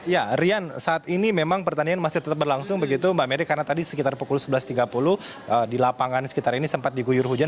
ya rian saat ini memang pertandingan masih tetap berlangsung begitu mbak meri karena tadi sekitar pukul sebelas tiga puluh di lapangan sekitar ini sempat diguyur hujan